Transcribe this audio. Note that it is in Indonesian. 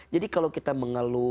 jadi kalau kita mengeluh